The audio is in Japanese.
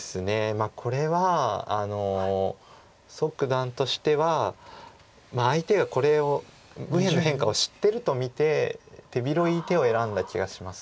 まあこれは蘇九段としては相手がこれ右辺の変化を知ってると見て手広い手を選んだ気がします。